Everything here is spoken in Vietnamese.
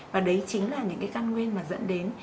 và đấy chính là những cái căn nguyên mà dẫn đến